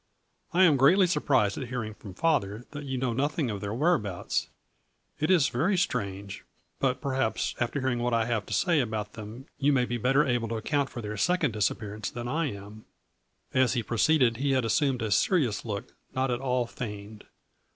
I am greatly sur prised at hearing from father that you know nothing of their whereabouts. It is very strange, but perhaps after hearing what I have to say about them, you may be better able to account for their second disappearance than I A FLURRY IN DIAMONDS. 197 As he proceeded he had assumed a serious look not at all feigned.